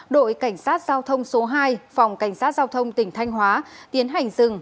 đội cảnh sát giao thông số hai phòng cảnh sát giao thông tỉnh thanh hóa tiến hành dừng